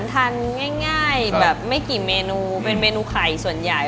ทานง่ายแบบไม่กี่เมนูเป็นเมนูไข่ส่วนใหญ่